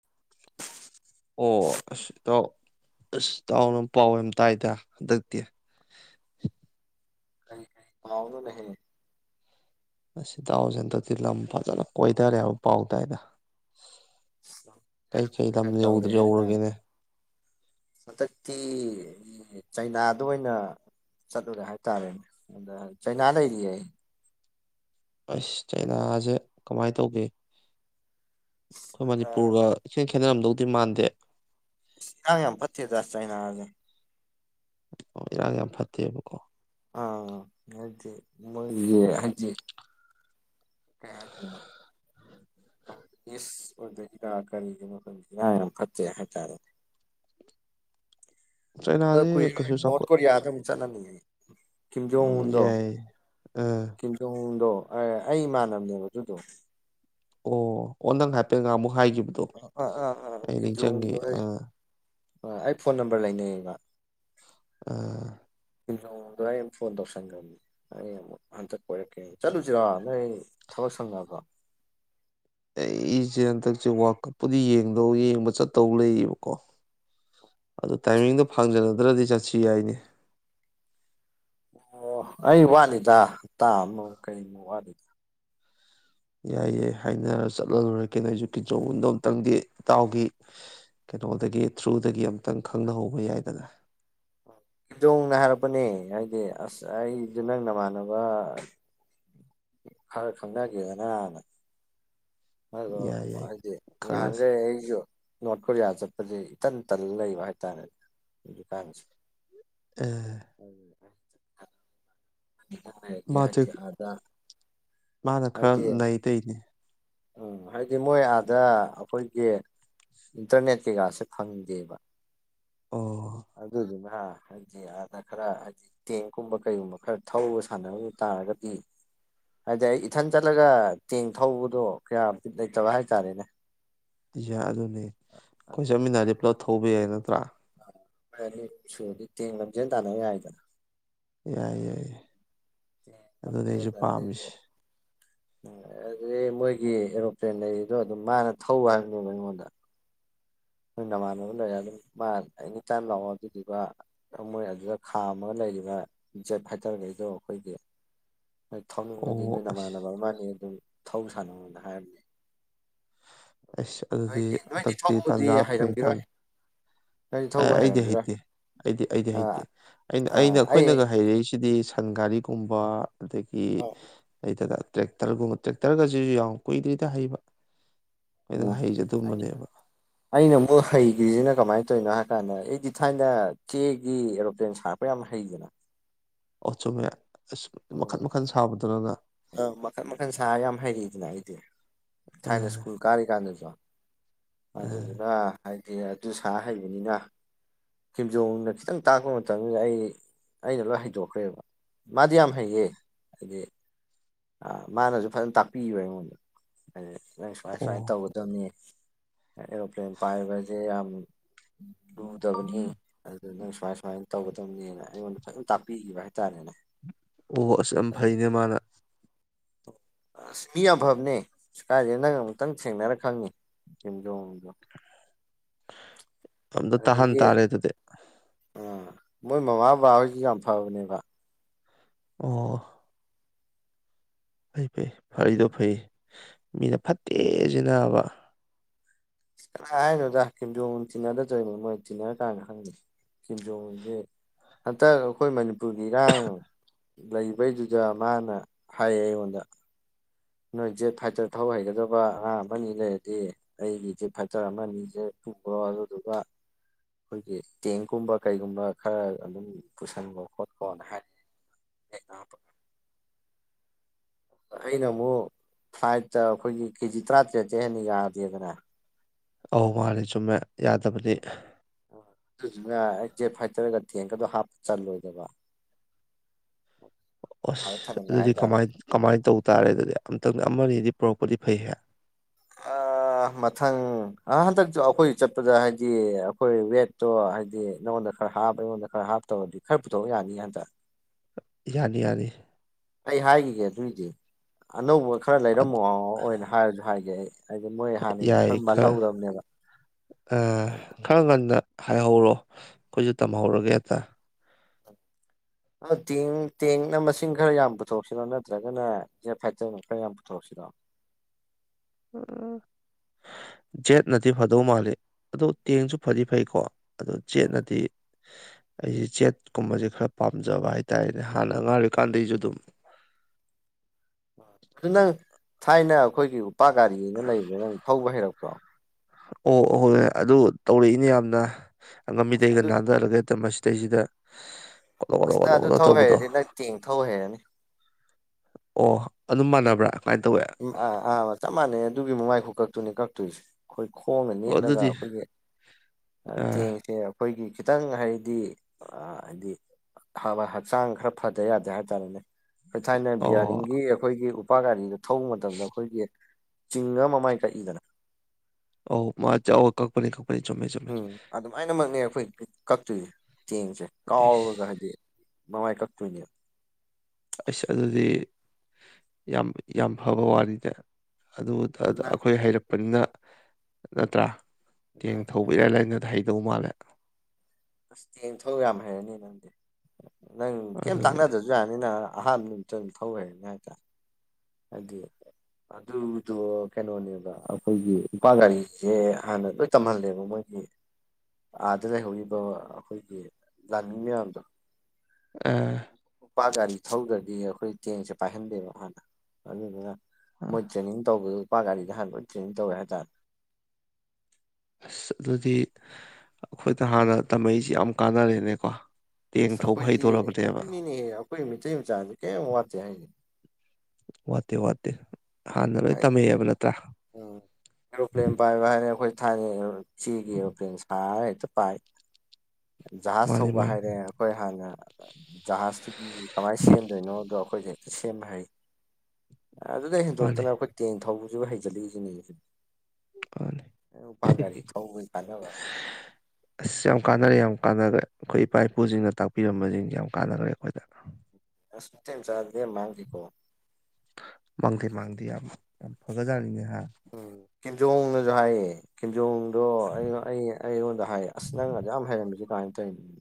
[unintelligible] ꯑꯣ ꯇꯣ ꯑꯁ ꯆꯥꯎꯥꯎꯅ ꯄꯥꯎ ꯑꯃ ꯇꯥꯏꯗ ꯍꯟꯗꯛꯇꯤ ꯀ ꯄꯥꯎꯗ ꯂꯩꯍ ꯑꯁꯤꯗꯥꯎꯁꯦꯟꯗꯗꯤ ꯂꯝ ꯐꯖꯅ ꯀꯣꯏꯊꯔꯦꯕ ꯄꯥꯎꯗꯥꯏꯅ ꯀꯩꯀꯩ ꯂꯝ ꯌꯧꯗ꯭ꯔ ꯌꯧꯔꯒꯦꯅꯦ ꯁꯇꯀꯤ ꯆꯩꯅꯥꯗ ꯑꯣꯏꯅ ꯆꯠꯂꯨꯔꯦ ꯍꯥꯏꯇꯥꯔꯦꯅꯦ ꯑꯗ ꯆꯩꯅꯥ ꯂꯩꯔꯤꯌꯦ ꯑꯩ ꯑꯁ ꯍꯥꯏꯗꯤ ꯆꯩꯅꯥꯁꯦ ꯀꯃꯥꯏꯅ ꯇꯧꯒꯦ ꯑꯩꯈꯣꯏ ꯃꯅꯤꯄꯨꯔꯒ ꯏꯦ ꯈꯦꯠꯅꯔꯝꯗꯧꯗꯤ ꯃꯥꯟꯗꯦ ꯌꯥ ꯌꯥꯝ ꯄꯊꯤ ꯇꯥꯁ ꯆꯥꯏꯅ ꯑꯖꯦ ꯑꯣ ꯏꯔꯥꯡ ꯌꯥꯝ ꯐꯠꯇꯦꯕꯀꯣ ꯑꯥ ꯑꯗꯨ ꯃ ꯀꯌꯥ ꯆꯅ ꯏꯁ ꯍꯔ ꯀꯔꯤꯒꯤ ꯃꯐꯝꯁꯤꯥ ꯌꯥꯝ ꯐꯠꯇꯩ ꯍꯥꯏꯇꯥꯔꯦꯅꯦ ꯑ ꯆꯩꯅꯥꯁꯦ ꯀ ꯀꯩꯁꯨ ꯅꯣꯠ ꯆꯥꯎꯈꯠ ꯀꯣ ꯋꯥꯔꯤ ꯌꯥꯔꯝ ꯆ ꯀꯤꯟꯗꯣ ꯍꯗꯣ ꯌꯥꯏ ꯑꯥ ꯀꯤꯟꯁꯨꯣ ꯍꯗꯣ ꯑꯩ ꯏꯃꯥꯟꯅꯕꯅꯦꯕ ꯑꯗꯨꯗꯣ ꯑꯣ ꯑꯣ ꯅꯪ ꯍꯥꯏꯐꯦꯠꯒ ꯑꯃꯨꯛ ꯍꯥꯏꯈꯤꯕꯗꯣ ꯑꯥ ꯑꯥ ꯑꯥ ꯑꯩ ꯅꯤꯡꯁꯤꯡꯉꯦ ꯀꯤꯝꯖꯣꯡꯎꯟꯗꯣ ꯑꯩ ꯑꯥ ꯑꯩ ꯐꯣꯟ ꯅꯝꯕꯔ ꯂꯩꯅꯩꯌꯦꯕ ꯑ ꯍꯤꯖꯣꯗ ꯑꯩ ꯐꯣꯟ ꯇꯧꯁꯟꯈ꯭ꯔꯕꯅꯤ ꯑꯩ ꯑꯃꯨꯛ ꯍꯟꯗꯛ ꯀꯣꯏꯔꯛꯀꯦ ꯆꯠꯂꯨꯁꯤꯔꯣ ꯅꯣꯏ ꯁ ꯉꯗꯣ ꯑꯩꯁꯦ ꯍꯟꯗꯛꯁꯦ ꯔ ꯀꯞꯄꯨꯗꯤ ꯌꯦꯡꯗꯧ ꯌꯦꯡꯕ ꯆꯠꯇꯧ ꯂꯩꯌꯦꯕꯀꯣ [inaudible] ꯑꯗꯨ ꯇꯥꯏꯃꯤꯡꯗꯣ ꯐꯥꯡꯖꯅꯗ꯭ꯔꯗꯤ ꯆꯠꯁꯤ ꯌꯥꯏꯅꯦ ꯑꯣ ꯑꯩ ꯋꯥꯠꯂꯤꯗꯥꯥ ꯇ ꯀꯩꯅ ꯋꯥ ꯂꯤꯗ ꯌꯥꯏ ꯌꯥꯏ ꯍꯥꯏꯅꯔ ꯆꯠꯍꯜꯂꯨꯔ ꯂꯣꯢꯔꯦ ꯀꯩꯅꯣ ꯑꯩꯖꯨ ꯀꯤꯝ ꯖꯣꯡ ꯎꯟꯗꯣ ꯑꯃꯨꯛꯇꯪꯗꯤ ꯏꯇꯥꯎꯒꯤ ꯀꯩꯅꯣꯗꯒꯤ ꯊ꯭ꯔꯨꯗꯒꯤ ꯑꯃꯨꯇꯪ ꯈꯪꯅꯍꯧꯕ ꯌꯥꯏꯗꯅ ꯏꯗꯣꯡꯅ ꯍꯥꯏꯔꯛꯄꯅꯦ ꯍꯥꯏꯗꯤ ꯑꯁ ꯑꯩꯁꯨ ꯅꯪ ꯅꯃꯥꯟꯅꯕ ꯈꯔ ꯈꯪꯅꯒꯦꯅ ꯍꯥꯟꯅ ꯑꯗꯣ ꯌꯥꯏ ꯌꯥꯏ ꯍꯥꯏꯗꯤ ꯈꯪꯅꯁꯦ ꯉꯥꯍꯥꯟꯒꯩ ꯑꯩꯖꯨ ꯅꯣꯔꯠ ꯀꯣꯔꯤꯌꯥ ꯆꯠꯄꯗꯤ ꯏꯇꯟ ꯇꯟ ꯂꯩꯕ ꯍꯥꯏꯇꯥꯔꯦꯅꯦ ꯍꯧꯖꯤꯛꯀꯥꯟꯁꯦ ꯑ [unintelligible] ꯃꯥꯁꯦ [unintelligible] ꯃꯥꯅ ꯈꯔ ꯍꯥꯏꯗꯤ ꯅꯩ ꯇꯩꯅꯦ ꯎꯝ ꯍꯥꯏꯗꯤ ꯃꯣꯏ ꯑꯥꯗ ꯑꯩꯈꯣꯏꯒꯤ ꯏꯟꯇꯔꯅꯦꯠ ꯀꯩꯀꯥꯁꯦ ꯐꯪꯗꯦꯕ ꯑꯣ ꯑꯗꯨꯗꯨꯅ ꯍꯥꯏꯗꯤ ꯑꯥꯗ ꯈꯔ ꯍꯥꯏꯗꯤ ꯇꯦꯡꯀꯨꯝꯕ ꯀꯩꯒꯨꯝꯕ ꯈꯔ ꯊꯧꯕ ꯁꯥꯟꯅꯕ ꯇꯥꯔꯒꯗꯤ ꯍꯥꯏꯗꯤ ꯑꯩ ꯏꯊꯟ ꯆꯠꯂꯒ ꯇꯦꯡ ꯊꯧꯕꯗꯣ ꯀꯌꯥ ꯂꯩꯇꯕ ꯍꯥꯏꯇꯥꯔꯦꯅꯦ ꯌꯥ ꯑꯗꯨꯅꯦ ꯑꯩꯈꯣꯏ ꯆꯠꯃꯤꯟꯅꯗꯤ ꯄꯨꯂꯞ ꯊꯧꯕ ꯌꯥꯏꯅ ꯑꯅꯤ ꯁꯣꯗꯤ ꯇ ꯂꯖꯦꯜ ꯇꯅ ꯍꯥꯏꯏꯗ ꯌꯥꯏ ꯌꯥꯏꯏ ꯀꯞꯖꯦ ꯑꯣꯏ ꯂꯗ ꯑꯗꯨꯗꯤ ꯃꯣꯏꯒꯤ ꯑꯦꯔꯣꯄ꯭ꯂꯦꯟ ꯂꯩꯗꯣ ꯑꯗꯨꯝ ꯃꯥꯅ ꯊꯧꯕ ꯍꯪꯅꯦꯕ ꯑꯩꯉꯣꯟꯗ ꯅꯣꯏ ꯅꯃꯥꯟꯅꯕ ꯂꯩꯔꯦ ꯑꯗꯨꯝ ꯃꯥ ꯑꯦꯅꯤ ꯇꯥꯏꯝ ꯂꯥꯛꯑꯣ ꯑꯗꯨꯗꯨꯒ ꯃꯣꯏ ꯑꯗꯨꯗ ꯈꯥꯝꯃꯒ ꯂꯩ ꯂꯩꯔꯤꯕ ꯖꯦꯠ ꯐꯥꯏꯇꯔꯈꯩꯗꯣ ꯑꯩꯈꯣꯏꯒꯤ ꯍꯣꯏ ꯊꯧꯅꯤꯡꯉꯗꯤ ꯑꯣ ꯅꯣꯏ ꯑꯁ ꯅꯃꯥꯟꯅꯕ ꯑꯃꯅꯤ ꯑꯗꯨꯝ ꯊꯧ ꯁꯥꯟꯅꯧꯅ ꯍꯥꯏꯔꯝꯃꯦ ꯑꯗꯨꯗꯤꯛꯗꯤ ꯊꯧꯕꯗꯤ ꯇꯟꯖ ꯅ ꯊ ꯍꯩꯔꯝꯈꯤꯔꯣꯏ ꯅꯣꯏꯗꯤ ꯑꯦ ꯊꯧꯕ ꯑꯩꯗꯤ ꯍꯩꯔꯝꯈꯤꯔꯣꯏ ꯍꯩꯇꯦ ꯑꯩꯗꯤ ꯑꯩꯗꯤ ꯑꯥ ꯍꯩꯇꯦ ꯑꯩꯅ ꯑꯥ ꯑꯩꯅ ꯑꯩ ꯑꯩꯈꯣꯏꯅꯒ ꯍꯩꯔꯛꯏꯁꯤꯗꯤ ꯁꯪꯒꯥꯔꯤꯒꯨꯝꯕ ꯑꯗꯒꯤ ꯑꯩꯗꯗ ꯇ꯭ꯔꯦꯛꯇꯔꯒꯨꯝꯕ ꯇ꯭ꯔꯦꯛꯇꯔꯒꯁꯤ ꯌꯥꯝ ꯀꯨꯏꯗ꯭ꯔꯤꯗ ꯍꯩꯕ ꯎꯝ ꯑꯩꯅ ꯍꯩꯁꯦ ꯑꯗꯨꯝꯕꯅꯦꯕ ꯑꯩꯅ ꯑꯃꯨꯛ ꯍꯩꯈ꯭ꯔꯤꯁꯤꯅ ꯀꯃꯥꯏ ꯇꯩꯅꯣ ꯍꯥꯏ ꯀꯥꯟꯗ ꯑꯩꯗꯤ ꯊꯥꯏꯅ ꯆꯦꯒꯤ ꯑꯦꯔꯣꯄ꯭ꯂꯦꯟ ꯁꯥꯔꯛꯄ ꯌꯥꯝ ꯍꯩꯗꯅ ꯑꯣ ꯆꯨꯝꯃꯦ ꯑꯁ ꯃꯈꯟ ꯃꯈꯟ ꯁꯥꯕꯗꯨꯔ ꯑ ꯃꯈꯜ ꯃꯈꯟ ꯁꯥꯔꯒ ꯌꯥꯝ ꯍꯩꯔꯛꯗꯅ ꯑꯩꯗꯤ ꯊꯥꯏꯅ ꯑꯥ ꯁ꯭ꯀꯨꯜ ꯀꯥꯔꯤ ꯀꯥꯟꯗꯁꯨ ꯑꯥ ꯑꯗꯨꯗꯨꯅ ꯍꯥꯏꯗꯤ ꯑꯗꯨ ꯁꯥ ꯍꯩꯕꯅꯤꯅ ꯈꯤꯝꯖꯣꯡꯅ ꯈꯤꯇꯪ ꯇꯥꯛꯄ ꯃꯇꯝꯗꯨꯗ ꯑꯩ ꯑꯩꯅ ꯂꯣꯏ ꯍꯩꯗꯣꯛꯈ꯭ꯔꯦꯕ ꯃꯥꯗꯤ ꯌꯥꯝ ꯐꯩꯌꯦ ꯍꯥꯏꯗꯤ ꯃꯥꯅꯁꯨ ꯐꯖꯅ ꯇꯥꯛꯄꯤꯕ ꯑꯩꯉꯣꯟꯗ ꯍꯥꯏꯗꯤ ꯅꯪ ꯁ꯭ꯋꯥꯏ ꯑꯣ ꯁ꯭ꯋꯥꯏ ꯇꯧꯒꯗꯕꯅꯤ ꯑꯦꯔꯣꯄ꯭ꯂꯦꯟ ꯄꯥꯏꯕꯖꯦ ꯌꯥꯝ ꯂꯨꯗꯕꯅꯤꯍꯦ ꯑꯗꯨ ꯅꯪ ꯁꯨꯃꯥꯏ ꯁꯥꯏ ꯇꯧꯒꯗꯕꯅꯦꯅ ꯑꯩꯉꯣꯟꯗ ꯐꯖꯝ ꯇꯥꯛꯄꯤꯈꯤꯕ ꯍꯥꯏꯇꯥꯔꯦꯅꯦ ꯑꯣ ꯑꯁ ꯌꯥꯝ ꯐꯩꯅꯦ ꯃꯥꯅ ꯑ ꯃꯤ ꯌꯥꯝ ꯐꯕꯅꯦ ꯁ ꯀꯥꯏꯗꯩ ꯅꯪ ꯑꯃꯨꯛꯇꯪ ꯊꯦꯡꯅꯔ ꯈꯪꯉꯤ ꯁꯤꯖꯣꯖꯣ ꯑꯝꯗ ꯇꯥꯍꯟ ꯇꯥꯔꯦ ꯑꯗꯨꯗꯤ ꯑꯥ ꯃꯣꯏ ꯃꯃꯥ ꯕꯥꯍꯣꯏꯁꯨ ꯌꯥꯝ ꯐꯕꯅꯦꯕ ꯑꯣ ꯐꯩ ꯐꯩ ꯐꯔꯤꯗꯣ ꯐꯩ ꯃꯤꯅ ꯐꯠꯇꯦꯁꯤ ꯅꯥꯕ ꯑꯁ ꯀꯅꯥ ꯍꯥꯏꯅꯣꯗ ꯀꯤꯝꯖꯣꯡ ꯇꯤꯟꯅꯗ ꯇꯧꯔꯤꯅꯤ ꯃꯣꯏ ꯇꯤꯟꯅꯔꯥꯛꯀꯥꯟꯗ ꯈꯪꯉꯅꯤ꯫ ꯀꯤꯝꯖꯣꯡꯗꯤ ꯍꯟꯇꯛ ꯑꯩꯈꯣꯏ ꯃꯅꯤꯄꯨꯔꯒꯤ ꯏꯔꯥꯡ꯫ ꯂꯩꯕꯩꯗꯨꯗ ꯃꯥꯅ ꯍꯥꯏꯌꯦ ꯑꯩꯉꯣꯟꯗ꯫ ꯅꯣꯏ ꯖꯦꯠ ꯐꯥꯏꯇꯔ ꯊꯧ ꯍꯩꯒꯗꯕ ꯑꯉꯥꯡ ꯑꯃꯅꯤ ꯂꯩꯔꯗꯤ ꯑꯩꯒꯤ ꯖꯦꯠ ꯐꯥꯏꯇꯔ ꯑꯃꯅꯤ ꯖꯦ꯫ ꯕꯣ ꯑꯗꯨꯗꯨꯒ꯫ ꯑꯩꯈꯣꯏꯒꯤ ꯇꯦꯡꯀꯨꯝꯕ ꯀꯩꯒꯨꯝꯕ ꯈꯔ ꯑꯗꯨꯝ ꯄꯨꯁꯟꯕ ꯈꯣꯠꯄ ꯍꯥꯏ꯫꯫ [unintelligible] ꯑꯩꯅ ꯑꯃꯨꯛ ꯐ꯭ꯂꯥꯏꯠꯇ ꯑꯩꯈꯣꯏꯒꯤ ꯀꯦꯖꯤ ꯇꯔꯥꯇꯔꯦꯠꯇ ꯍꯦꯟꯅ ꯌꯥꯗꯦꯗꯅ꯫ ꯑꯧ ꯃꯥꯂꯦ ꯆꯨꯝꯃꯦ ꯌꯥꯗꯕꯅꯤ꯫ ꯑꯗꯨꯏꯗꯨꯅ ꯖꯦꯠ ꯐꯥꯏꯇꯔꯒ ꯊꯦꯡꯒꯗꯨ ꯍꯥꯞꯄ ꯆꯜꯂꯣꯏꯗꯕ꯫ ꯑꯁ ꯍꯥꯏꯔ ꯊꯅꯝꯃꯦ ꯑꯗꯨꯗꯤ ꯍꯥꯏꯇꯥꯔꯦ ꯀꯃꯥꯏ ꯀꯃꯥꯏꯅ ꯇꯧ ꯇꯥꯔꯦ ꯑꯗꯨꯗꯤ ꯑꯃꯇꯪ ꯑꯃꯅꯤꯗꯤ ꯄꯣꯔꯛꯄꯗꯤ ꯐꯩꯍꯦ꯫ ꯑꯥ꯫ ꯃꯊꯪ ꯑꯥ ꯍꯟꯗꯛꯁꯨ ꯑꯩꯈꯣꯏ ꯆꯠꯄꯗ ꯍꯥꯏꯗꯤ ꯑꯩꯈꯣꯏ ꯋꯦꯠꯇꯣ ꯍꯥꯏꯗꯤ ꯅꯉꯣꯟꯗ꯫ ꯈꯔ ꯍꯥꯞ ꯑꯩꯉꯣꯟꯗ ꯈꯔ ꯍꯥꯞꯇꯧꯔꯗꯤ ꯈꯔ ꯄꯨꯊꯣꯛꯔꯛ ꯌꯥꯅꯤ ꯍꯥꯏꯟꯇꯥꯔꯦ꯫ ꯌꯥꯅꯤ ꯌꯥꯅꯤ꯫ ꯑꯩ ꯍꯥꯏꯈꯤꯒꯦ ꯑꯗꯨꯏꯗꯤ ꯑꯅꯧꯕ ꯈꯔ ꯂꯩꯔꯝꯃꯣ ꯑꯣꯏꯅ ꯍꯥꯏꯔꯁꯨ ꯍꯥꯏꯒꯦ ꯑꯩ꯫ ꯍꯥꯏꯗꯤ ꯃꯣꯏ ꯍꯥꯟꯅꯒꯤꯗꯨ ꯈꯔ ꯃꯜꯍꯧꯔꯝꯅꯦꯕ꯫ ꯑ ꯈꯔ ꯉꯟꯅ ꯍꯥꯏꯍꯧꯔꯣ ꯑꯩꯈꯣꯏꯁꯨ ꯇꯝꯍꯧꯔꯒꯦ ꯍꯦꯛꯇ꯫ [unintelligible] ꯑ ꯇꯦꯡ ꯇꯦꯡꯅ ꯃꯁꯤꯡ ꯈꯔ ꯌꯥꯝ ꯄꯨꯊꯣꯛꯁꯤꯔꯣ ꯅꯠꯇ꯭ꯔꯒꯅꯦ ꯖꯦꯠ ꯐꯥꯏꯇꯔꯅ ꯈꯔ ꯌꯥꯝ ꯄꯨꯊꯣꯛ ꯁꯤꯔꯣ꯫ ꯎꯝ꯫ ꯖꯦꯠꯅꯗꯤ ꯐꯗꯧ ꯃꯥꯜꯂꯤ ꯑꯗꯣ ꯇꯦꯡꯁꯨ ꯐꯗꯤ ꯐꯩꯀꯣ ꯑꯗꯣ ꯖꯦꯠꯅꯗꯤ꯫ ꯑꯩꯁꯦ ꯖꯦꯠꯀꯨꯝꯕꯁꯦ ꯈꯔ ꯄꯥꯝꯖꯕ ꯍꯥꯏꯇꯥꯥꯔꯦꯅꯦ ꯍꯥꯟꯅ ꯑꯉꯥꯡ ꯑꯣꯏꯔꯤꯀꯥꯟꯗꯩꯁꯨ ꯑꯗꯨꯝ꯫ [inaudible] ꯑꯗꯨ ꯅꯪ ꯊꯥꯏꯅ ꯑꯩꯈꯣꯏꯒꯤ ꯎꯄꯥ ꯒꯥꯔꯤꯅ ꯂꯩꯕꯗꯨ ꯅꯪ ꯊꯧꯕ ꯍꯩꯔꯛꯄꯣ꯫ ꯑꯣ ꯍꯣꯏ ꯑꯗꯨ ꯇꯧꯔꯛꯏꯅꯦ ꯌꯥꯝꯅ꯫ ꯑꯁ ꯑꯪꯉꯝꯃꯤꯗꯩꯒ ꯑꯗꯨ ꯅꯥꯟꯊꯔꯒ ꯍꯦꯛꯇ ꯃꯁꯤꯗꯩꯁꯤꯗ ꯀꯣꯗꯣꯛ ꯑꯁ ꯅꯪ ꯀꯣꯗꯣꯛ ꯑꯗꯨ ꯀꯣꯗꯣꯛ ꯊꯧ ꯇꯧꯕꯗꯣ꯫ ꯍꯩꯔꯗꯤ ꯅꯪ ꯇꯦꯡ ꯊꯧ ꯍꯩꯔꯅꯤ꯫ ꯑꯣ ꯑꯗꯨ ꯃꯥꯟꯅ ꯑꯥ ꯑꯥ ꯆꯞ ꯃꯥꯟꯅꯩ ꯑꯗꯨꯒꯤ ꯃꯃꯥꯏ ꯈꯨꯀꯥꯛꯇꯨꯅꯦ ꯀꯛꯇꯣꯏꯁꯤ꯫ ꯈꯣꯡꯅ ꯑꯣ ꯅꯦꯠꯂꯒ ꯑꯗꯨꯗꯤ ꯑꯩꯈꯣꯏꯒꯤ ꯇꯦꯡꯁ ꯑ ꯂꯦꯟ ꯑꯩꯈꯣꯏꯒꯤ꯫ ꯈꯤꯇꯪ ꯍꯥꯏꯗꯤ ꯑꯥ ꯍꯥꯏꯗꯤ ꯍꯥꯕ ꯍꯛꯆꯥꯡ ꯈꯔ ꯐꯗ ꯌꯥꯗꯦ ꯍꯥꯏꯇꯥꯔꯦꯅꯦ꯫ ꯈꯣꯏ ꯊꯥꯏꯅ ꯑꯣ ꯕꯤꯌꯥꯔꯤꯡꯒꯤ ꯑꯩꯈꯣꯏꯒꯤ ꯎꯄꯥ ꯒꯥꯔꯤꯗ ꯊꯧꯕ ꯃꯇꯝꯗ ꯑꯩꯈꯣꯏꯒꯤ꯫ ꯆꯤꯡꯉ ꯃꯃꯥꯏ ꯀꯛꯏꯗꯅ꯫ ꯑꯧ ꯃꯥ ꯆꯧ ꯀꯛꯄꯅꯤ ꯀꯛ ꯎꯝ ꯑꯗꯨꯃꯥꯏꯅꯃꯛꯅꯦ ꯑꯩꯈꯣꯏꯒꯤ ꯀꯛꯇꯣꯏꯁꯦ ꯇꯦꯡꯁꯤ ꯑꯩꯁ ꯀꯥꯎꯔꯒ ꯍꯥꯏꯗꯤ꯫ ꯃꯃꯥꯏ ꯀꯛꯇꯣꯏꯅꯦꯕ꯫ ꯑꯩꯁ ꯑꯗꯨꯗꯤ ꯌꯥꯝ ꯌꯥꯝ ꯐꯕ ꯋꯥꯔꯤꯅꯦ꯫ ꯑꯗꯨ ꯑꯗꯨꯅ ꯑꯩꯈꯣꯏ ꯍꯩꯔꯛꯄꯅꯤꯅ ꯅꯠꯇ꯭ꯔꯥ꯫ ꯇꯦꯡ ꯊꯧꯕ ꯏꯔꯥꯏ ꯂꯥꯏꯅꯗ ꯍꯩꯗꯧ ꯃꯥꯜꯂꯦ꯫ ꯑꯁ ꯇꯦꯡ ꯊꯧ ꯌꯥꯝ ꯍꯩꯔꯅꯤ ꯅꯪꯗꯤ ꯅꯪ ꯀꯩꯝ ꯑꯗꯨꯅꯤ ꯇꯥꯛꯅꯗ꯭ꯔꯁꯨ ꯌꯥꯅꯤꯅ꯫ ꯑꯍꯥꯟꯕ ꯅꯨꯃꯤꯠꯇ ꯑꯗꯨꯝ ꯊꯧ ꯍꯩꯔꯅꯤ ꯍꯥꯏꯇꯥꯔꯦ ꯍꯥꯏꯗꯤ꯫ ꯑꯗꯨꯗꯣ ꯀꯩꯅꯣꯅꯦꯕ ꯑꯩꯈꯣꯏꯒꯤ ꯎꯄꯥ ꯒꯥꯔꯤꯁꯦ ꯍꯥꯟꯅ ꯂꯣꯏ ꯇꯝꯍꯜꯂꯦꯕ ꯃꯣꯏ ꯑꯩ ꯑꯥꯗ ꯂꯩꯍꯧꯔꯤꯕ ꯑꯩꯈꯣꯏꯒꯤ ꯂꯥꯟꯃꯤ ꯃꯌꯥꯝꯗꯣ꯫ ꯑꯥ꯫ ꯎꯄꯥ ꯒꯥꯔꯤ ꯊꯧꯗ꯭ꯔꯗꯤ ꯑꯩꯈꯣꯏ ꯇꯦꯡꯁꯦ ꯄꯥꯏꯍꯟꯗꯦꯕ ꯍꯥꯟꯅ ꯑꯗꯨꯅ ꯑꯥ ꯃꯣꯏ ꯇ꯭ꯔꯦꯅꯤꯡ ꯇꯧꯕꯗꯨ ꯂꯨꯄꯥ ꯒꯥꯔꯤꯗ ꯍꯥꯟꯕ ꯇ꯭ꯔꯦꯅꯤꯡ ꯇꯧꯋꯦ ꯍꯥꯏꯇꯥꯔꯦ꯫ ꯑꯁ ꯑꯗꯨꯗꯤ ꯑꯩꯈꯣꯏꯗ ꯍꯥꯟꯅ ꯇꯝꯃꯩꯁꯤ ꯌꯥꯝ ꯀꯥꯟꯅꯔꯦꯅꯦꯀꯣ ꯇꯦꯡ ꯑꯁ ꯊꯧꯕ ꯑꯩꯈꯣꯏꯗꯤ ꯍꯩꯗꯣꯔꯕꯅꯦꯕ ꯑꯗꯨꯅꯤꯅꯦ ꯑꯩꯈꯣꯏ ꯃ ꯃꯆꯥꯁꯦ ꯀꯌꯥꯝꯝ ꯋꯥꯠꯠꯇꯦ ꯍꯥꯏꯅꯤ ꯋꯥꯦ ꯋꯥꯇ ꯍꯥꯏꯗꯤ ꯎ ꯑꯦꯔꯣꯄ꯭ꯂꯦꯟ ꯄꯥꯏꯕ ꯍꯥꯏꯔꯦ ꯑꯩꯈꯣꯏ ꯊꯅꯤ ꯆꯤꯒꯤ ꯑ ꯁꯇ ꯄꯥꯏ ꯖꯍꯥꯖ ꯃꯥꯅꯤ ꯊꯧꯕ ꯃꯥꯅꯤ ꯍꯥꯏꯔꯦ ꯑꯩꯈꯣꯏ ꯍꯥꯟꯅ ꯖꯍꯥꯖꯇꯨꯒꯤ ꯀꯃꯥꯏꯅ ꯁꯦꯝꯗꯣꯏꯅꯣꯗꯣ ꯑꯩꯈꯣꯏꯁꯦ ꯍꯦꯛꯇ ꯁꯦꯝꯕ ꯍꯩ ꯑꯗꯨꯗ ꯍꯣ ꯃꯥꯅꯤ ꯇꯦꯡ ꯊꯧꯕꯁꯤꯕꯨ ꯍꯩꯖꯤꯠꯂꯛꯏꯁꯤꯅꯦ ꯃꯥꯅꯤ ꯐꯥꯒꯔꯤ ꯐꯧ ꯃꯤ ꯊꯗ ꯍꯥꯏꯥꯏ ꯑꯁ ꯌꯥꯝ ꯀꯥꯟꯅꯔꯦ ꯌꯥꯝ ꯀꯥꯟꯅꯈ꯭ꯔꯦ ꯑꯩꯈꯣꯏ ꯏꯄꯥ ꯏꯄꯨꯁꯤꯡꯅ ꯇꯥꯛꯄꯤꯔꯝꯕꯁꯤꯡꯁꯦ ꯌꯥꯝ ꯀꯥꯟꯅꯈ꯭ꯔꯦ ꯑꯩꯈꯣꯏꯗ ꯑ ꯊ ꯆꯥ ꯃꯥꯈꯤꯤ ꯀꯣ ꯃꯥꯡꯗꯦ ꯃꯥꯡꯗꯦ ꯌꯥꯝ ꯌꯥꯝ ꯐꯒꯖꯥꯠꯅꯤꯅꯦ ꯍꯥꯏꯍ ꯎꯝ ꯈꯤꯟꯖꯣꯡꯅꯁꯨ ꯍꯥꯏꯥꯏ ꯈꯤꯟꯖꯣꯡ ꯑꯗꯣ ꯑꯩ ꯑꯩ ꯑꯩꯉꯣꯟꯗ ꯍꯥꯏ ꯑꯁ ꯅꯪꯒ ꯌꯥꯝ ꯍꯩꯔꯝꯃꯤꯁꯦ ꯀꯃꯥꯏꯅ ꯇꯧꯔꯤꯅꯤ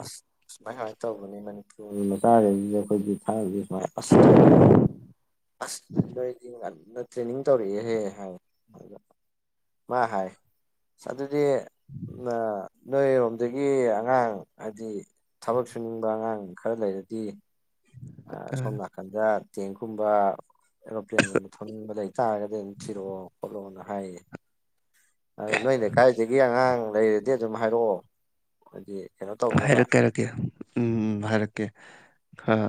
ꯑꯁ ꯁꯨꯃꯥꯏ ꯁꯨꯃꯥꯏꯅ ꯇꯧꯕꯅꯤ ꯃꯅꯤꯄꯨꯔ ꯃꯇꯥꯗ ꯑꯩꯈꯣꯏꯒꯤ ꯊꯥꯁ ꯍꯣꯏ ꯑ ꯍ ꯑ [unintelligible] ꯇ꯭ꯔꯦꯅꯤꯡ ꯇꯧꯔꯛꯑꯦꯍꯦ ꯍꯥꯏꯗ ꯃꯥ ꯍꯥꯏ ꯗꯤ ꯅꯣꯏꯔꯣꯝꯗꯒꯤ ꯑꯉꯥꯡ ꯍꯥꯏꯗꯤ ꯊꯕꯛ ꯁꯨꯅꯤꯡꯕ ꯑꯉꯥꯡ ꯈꯔ ꯂꯩꯔꯗꯤ ꯁꯣꯝ ꯅꯥꯀꯟꯗ ꯆꯦꯡꯒꯨꯝꯕ ꯑꯦꯔꯣꯄ꯭ꯂꯦꯟꯒꯨꯝꯕ ꯊꯣꯛꯅꯤꯡꯕ ꯂꯩ ꯇꯥꯔꯒꯗꯤ ꯑꯗꯨꯝ ꯊꯤꯔꯛꯑꯣ ꯈꯣꯠꯂꯣꯅ ꯍꯥꯏꯌꯦ ꯑ ꯅꯣꯏꯅ ꯀꯥꯏꯗꯒꯤ ꯑꯉꯥꯡ ꯂꯩꯔꯗꯤ ꯑꯗꯨꯝ ꯍꯥꯏꯔꯛꯑꯣ ꯍꯥꯏꯗꯤ ꯀꯩꯅꯣ ꯇꯧꯅꯕ ꯍꯥꯏꯔꯛꯀꯦ ꯍꯥꯏꯔꯛꯀꯦ ꯎꯝ ꯍꯥꯏꯔꯛꯀꯦ ꯈꯔ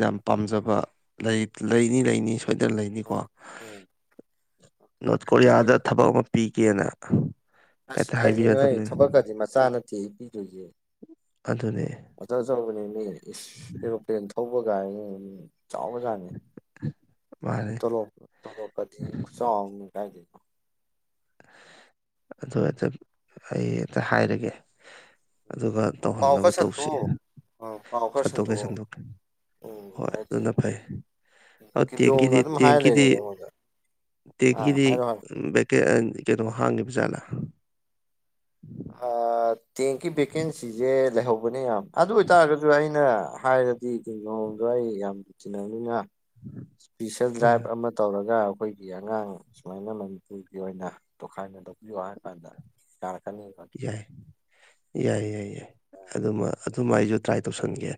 ꯌꯥꯝ ꯄꯥꯝꯖꯕ ꯂꯩ ꯂꯩꯅꯤ ꯂꯩꯅꯤ ꯁꯣꯏꯗꯅ ꯂꯩꯅꯤꯀꯣ ꯅꯣꯔꯠ ꯀꯣꯔꯤꯌꯥꯗ ꯃꯣꯏꯗꯣ ꯊꯕꯛ ꯑꯃ ꯄꯤꯒꯦꯅ ꯑꯁ ꯍꯦꯛꯇ ꯀꯥꯏ ꯍꯥꯏꯕꯤꯔꯗꯕꯅꯤ ꯊꯕꯛ ꯀꯗꯤ ꯃꯆꯥꯅ ꯇꯤ ꯄꯤꯗꯣꯏꯒꯦ ꯑꯗꯨꯅꯤ ꯑꯣꯖ ꯆꯥꯎꯕꯅꯦꯅꯦ ꯑꯦꯔꯣꯄ꯭ꯂꯦꯟ ꯊ ꯑꯦ ꯃꯥꯅꯤ ꯆꯥꯎꯕꯖꯥꯠꯅꯤꯣꯂꯣꯞꯄ ꯇꯣꯂꯣꯞꯄꯗꯤ ꯈꯨ ꯆꯥꯎꯅꯤ ꯀꯥꯏꯗꯦ ꯑꯗꯨ ꯍꯦꯛꯇ ꯑꯩ ꯑꯦꯛꯇ ꯍꯥꯏꯔꯒꯦ ꯑꯗꯨꯒ ꯄꯥꯎ ꯇꯧꯍꯟꯅꯕ ꯈꯔ ꯇꯧꯁꯤ ꯁꯟꯇꯣꯛꯑꯣ ꯑ ꯄꯥꯎ ꯈꯔ ꯁꯠꯇꯣꯛꯀꯦ ꯁꯟꯇꯣꯛꯑꯣ ꯁꯟꯗꯣꯛꯀꯦ ꯎꯝ ꯍꯣꯏ ꯍꯥꯏꯗꯤ ꯑꯗꯨꯅ ꯐꯩ ꯑ ꯀꯤꯝꯖꯣꯡꯅ ꯇꯦꯡꯀꯤꯗꯤ ꯑꯗꯨꯝ ꯍꯥꯏꯔ ꯇꯦꯡꯀꯤꯗꯤ ꯂꯩꯔꯦꯕ ꯑꯩꯉꯣꯟꯗ ꯑꯥ ꯍꯥꯏꯔꯣ ꯍꯥꯏꯔꯣ ꯇꯦꯡꯒꯗꯤꯀ ꯀꯩꯅꯣ ꯍꯥꯡꯒꯕꯖꯂꯥ ꯑ ꯊꯀꯤ ꯄꯦꯀꯦꯟꯁꯤꯖꯦ ꯂꯦꯍꯣ ꯇ ꯌꯥꯝ ꯑꯗꯨ ꯑꯣꯏꯇꯥꯔꯒꯁꯨ ꯑꯩꯅ ꯍꯥꯏꯔꯗꯤ ꯀꯒꯣꯝꯗꯣ ꯑꯩ ꯌꯥꯝ ꯇꯤꯟꯅꯅꯤꯅ ꯏꯁꯄꯤꯁꯦꯜ ꯑꯥ ꯗ꯭ꯪꯔꯥꯏꯚ ꯑꯃ ꯇꯧꯔꯒ ꯑꯩꯈꯣꯏꯒꯤ ꯑꯉꯥꯡ ꯁꯨꯃꯥꯏꯅ ꯃꯅꯤꯄꯨꯔꯒꯤ ꯑꯣꯏꯅ ꯇꯣꯈꯥꯏꯅ ꯇꯧꯕꯤꯌꯣ ꯍꯥꯏ ꯀꯥꯟꯗꯥꯔ ꯌꯥꯏ ꯌꯥꯏ ꯌꯥꯏ ꯌꯥꯏ ꯑꯗꯨꯃ ꯑꯗꯨꯃ ꯑꯩꯁꯨ ꯇ꯭ꯔꯥꯏ ꯇꯧꯁꯟꯒꯦ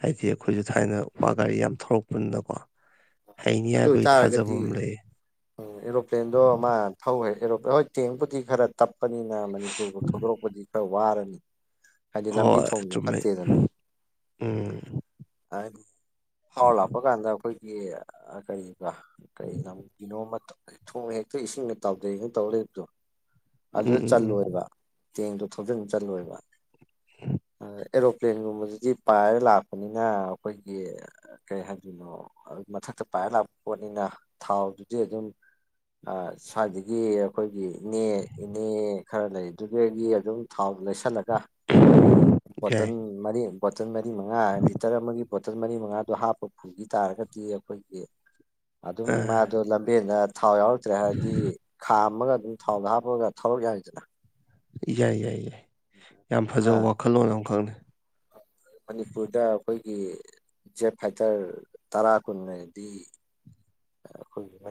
ꯍꯥꯏꯗꯤ ꯑꯩꯈꯣꯏꯁꯨ ꯊꯥꯏꯅ ꯋꯥ ꯒꯥꯔꯤ ꯌꯥꯝ ꯊꯧꯔꯛꯄꯅꯤꯅꯀꯣ ꯍꯥꯏꯅꯤ ꯌꯥꯕꯩ ꯊꯥꯖꯕꯝꯂꯦ ꯎ ꯑꯦꯔꯣꯄ꯭ꯂꯦꯟꯗꯣ ꯃꯥ ꯣꯏ ꯍꯣꯏꯔ ꯍꯣꯏ ꯇꯦꯡꯕꯨꯨꯗꯤ ꯈꯔ ꯇꯞꯄꯅꯤꯅ ꯃꯅꯤꯄꯨꯔꯕꯨ ꯊꯣꯏꯗꯣꯔꯛꯄꯗꯤ ꯈꯔ ꯋꯥꯔꯅꯤ ꯍꯥꯏꯗꯤ ꯂꯝꯕꯤ ꯍꯣꯏ ꯊꯣꯡꯁꯨꯦ ꯆꯨꯝꯃꯦ ꯐꯠꯇꯦꯗꯅ ꯎꯝ ꯍꯥꯎꯂꯄ ꯀꯥꯟꯗ ꯑꯩꯈꯣꯏꯒꯤ ꯀ ꯀꯔꯤꯅ ꯊꯣꯡ ꯍꯦꯛꯇ ꯏꯁꯤꯡꯅ ꯇꯥꯎꯗꯩꯅ ꯇꯧꯕꯗꯣ ꯎꯝ ꯑꯗꯨꯗ ꯎꯝ ꯎꯝ ꯆꯜꯂꯣꯏꯕ ꯇꯦꯡꯗꯣ ꯊꯣꯖꯤꯤꯟ ꯆꯜꯂꯣꯏꯕ ꯑꯦꯔꯣꯄ꯭ꯂꯦꯟꯒꯨꯝꯕꯗꯨꯗꯤ ꯄꯥꯏꯔ ꯂꯥꯛꯄꯅꯤꯅ ꯑꯩꯈꯣꯏꯒꯤ ꯀꯩ ꯍꯥꯏꯗꯣꯏꯅꯣ ꯃꯊꯛꯇ ꯄꯥꯏꯔ ꯂꯥꯛꯄ ꯄꯣꯠꯅꯤꯅ ꯊꯥꯎꯗꯨꯗꯤ ꯑꯗꯨꯝ ꯁ꯭ꯋꯥꯏꯗꯒꯤ ꯑꯩꯈꯣꯏꯒꯤ ꯏꯅꯦ ꯏꯅꯦ ꯈꯔ ꯂꯩ ꯑꯗꯨꯗꯒꯤ ꯑꯗꯨꯝ ꯊꯥꯎ ꯂꯩꯁꯜꯂꯒ ꯌꯥꯏ ꯕꯣꯇꯜ ꯃꯔꯤ ꯕꯣꯇꯜ ꯃꯔꯤ ꯃꯉꯥ ꯂꯤꯇꯔ ꯑꯃꯒꯤ ꯕꯣꯇꯜ ꯃꯔꯤ ꯃꯉꯥꯗꯣ ꯍꯥꯞꯄ ꯄꯨꯈꯤ ꯇꯥꯔꯒꯗꯤ ꯑꯩꯈꯣꯏꯒꯤ ꯑꯗꯨꯝ ꯑꯥ ꯍꯕꯦꯟꯗ ꯊꯥꯎ ꯌꯥꯎꯔꯛꯇ꯭ꯔꯦ ꯍꯥꯏꯔꯗꯤ ꯈꯥꯝ ꯑꯃꯒ ꯑꯗꯨꯝ ꯊꯥꯎꯗ ꯍꯥꯞꯄꯒ ꯊꯥꯎꯔꯛ ꯌꯥꯔꯤꯗꯅ ꯌꯥꯏ ꯌꯥꯏ ꯌꯥꯏ ꯌꯥꯝ ꯐꯖꯕ ꯋꯥꯈꯜꯂꯣꯟ ꯑꯃꯈꯛꯅ ꯃꯅꯤꯄꯨꯔꯗꯥ ꯑꯩꯈꯣꯏꯒꯤ ꯖꯦꯠ ꯐꯥꯏꯇꯔ ꯇꯔꯥ ꯀꯨꯟꯗꯤ ꯑꯩꯈꯣꯏꯒꯤ ꯁ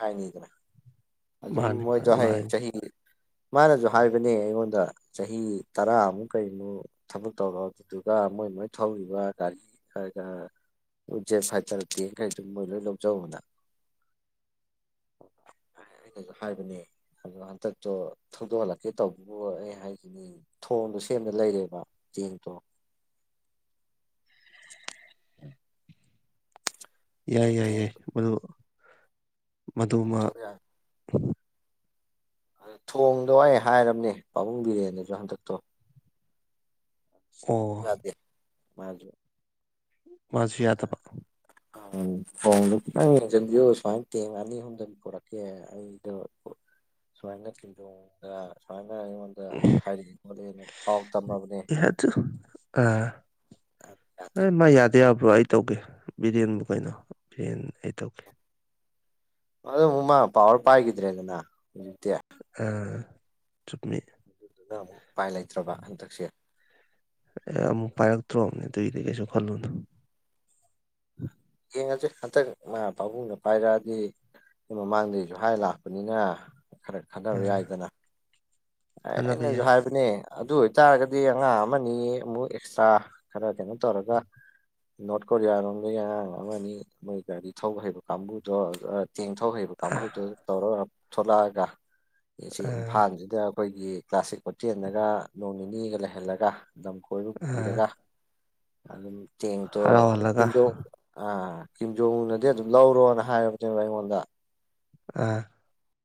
ꯍꯥꯏꯅꯤꯗꯅ ꯑꯗꯨꯝ ꯃꯥꯅꯤ ꯃꯣꯏꯗꯣ ꯃꯥꯅꯤ ꯃꯥꯅꯤ ꯍꯌꯦꯡ ꯆꯍꯤ ꯃꯥꯅꯁꯨ ꯍꯥꯏꯕꯅꯦ ꯑꯩꯉꯣꯟꯗ ꯆꯍꯤ ꯇꯔꯥꯃꯨꯛ ꯀꯔꯤꯅꯣ ꯊꯕꯛ ꯇꯧꯔꯣ ꯑꯗꯨꯗꯨꯒ ꯃꯣꯏ ꯃꯣꯏ ꯊꯧꯔꯤꯕ ꯒꯥꯔꯤ ꯐꯇꯈꯩ ꯃꯣꯏ ꯂꯣꯏ ꯂꯧꯖꯕꯅ ꯑꯣ ꯑꯩꯅꯁꯨ ꯍꯥꯏꯕꯅꯦ ꯑꯗꯣ ꯍꯟꯗꯛꯇꯣ ꯊꯧꯗꯣꯛꯍꯜꯂꯛꯀꯦ ꯇꯧꯕꯕꯨ ꯑꯩ ꯍꯥꯏꯈꯤꯅꯤ ꯊꯣꯡꯗꯣ ꯁꯦꯝꯅ ꯂꯩꯔꯦꯕ ꯆꯦꯡꯗꯣ ꯌꯥꯏ ꯌꯥꯏ ꯌꯥꯏ ꯇꯦꯡꯗꯣ ꯃꯗꯨ ꯃꯗꯨꯃ ꯄꯨꯊꯣꯛ ꯌꯥꯏ ꯊꯣꯡꯗꯣ ꯑꯩ ꯍꯥꯏꯔꯕꯝꯅꯦ ꯄꯥꯕꯨꯡ ꯕꯤꯔꯦꯟꯁꯨ ꯍꯟꯗꯛꯇꯣ ꯑꯣ ꯗꯦ ꯃꯥ ꯃꯥꯁꯨ ꯌꯥꯗꯕ ꯣꯡ ꯌꯦꯡꯟꯕꯤ ꯁꯨꯃꯥꯏ ꯇꯦꯡ ꯑꯅꯤ ꯑꯍꯨꯝꯗ ꯄꯨꯔꯛꯀꯦ ꯑꯩꯗꯣ ꯁꯋꯥꯏꯉ ꯆꯤꯟꯣꯡ ꯁ ꯄꯥꯎ ꯇꯝꯃꯕꯅꯦ ꯏꯍꯁꯨꯣ ꯑꯥ ꯑ ꯌꯥꯗꯦ ꯃꯥ ꯌꯥꯗꯦ ꯑꯕ꯭ꯔ ꯑꯩ ꯇꯧꯒꯦ ꯕꯤꯔꯌꯥꯦꯟꯕꯨ ꯀꯩꯅꯣ ꯕꯤꯔꯌꯥꯟ ꯑꯩ ꯇꯧꯒꯦ ꯑꯗꯣ ꯎꯃ ꯄ ꯍꯔꯄꯥ ꯍꯥꯏꯒꯗ꯭ꯔꯦ ꯑꯗꯨꯗꯅ ꯑ ꯆꯨꯠ ꯑꯗꯨꯗꯨꯅ ꯑꯃꯨꯛ ꯎꯄꯥꯏ ꯂꯩꯇ꯭ꯔꯕ ꯍꯟꯗꯛꯁꯦ ꯑ ꯑꯃꯛ ꯄꯥꯏꯔꯛꯛꯇ꯭ꯔꯣꯑꯝꯅꯤ ꯇꯏꯗꯦꯁꯨ ꯈꯜꯅ ꯍꯦꯡꯁ ꯍꯟꯇꯛ ꯄꯥꯕꯨꯡꯗ ꯄꯥꯏꯔꯛꯑꯗꯤ ꯃꯃꯥꯡꯗꯒꯤꯁꯨ ꯍꯥꯏ ꯂꯥꯛꯄꯅꯤꯅ ꯈꯔ ꯈꯟꯊꯕ ꯑꯥ ꯌꯥꯏꯗꯅ ꯑꯦ ꯈꯟꯅꯕ ꯑꯩꯅꯁꯨ ꯌꯥꯏ ꯍꯥꯏꯕꯅꯦ ꯑꯗꯨ ꯑꯣꯏꯇꯥꯔꯒꯗꯤ ꯑꯉꯥꯡ ꯑꯃꯅꯤ ꯑꯃꯨꯛ ꯑꯦꯛꯁꯇ꯭ꯔꯥ ꯈꯔ ꯀꯩꯅꯣ ꯇꯧꯔꯒ ꯅꯣꯔꯠ ꯀꯣꯔꯤꯌꯥꯔꯝꯒ ꯑꯉ ꯑꯃꯅꯤꯅꯤ ꯃꯣꯏ ꯒꯥꯔꯤ ꯊ ꯍꯥꯏꯕ ꯀꯥꯡꯝꯕꯨꯗ ꯆꯦꯡ ꯊꯧ ꯍꯩꯔꯤꯕ ꯑꯥ ꯀꯥꯡꯕꯨꯗꯨ ꯇꯧꯔꯒ ꯊꯣꯛꯂꯛꯑꯒ ꯁꯤ ꯑꯥ ꯏꯝꯐꯥꯜꯁꯤꯗ ꯑꯩꯈꯣꯏꯒꯤ ꯀ꯭ꯂꯥꯁꯤꯛ ꯍꯣꯇꯦꯜꯗꯒ ꯅꯣꯡ ꯅꯤꯅꯤꯒ ꯂꯩꯍꯜꯂꯒ ꯂꯝ ꯀꯣꯏꯕ ꯑꯥ ꯄꯨꯕꯤꯔꯒ ꯑꯗꯨꯝ ꯇꯦꯡꯇꯣ ꯍꯔꯥꯎꯍꯜꯂꯒ ꯇꯤꯟꯣ ꯑꯥ ꯀꯤꯝꯖꯣꯅꯗꯤ ꯑꯗꯨꯝ ꯂꯧꯔꯣꯅ ꯍꯥꯏꯕꯅꯦꯕ ꯑꯩꯉꯣꯟꯗ ꯑꯥ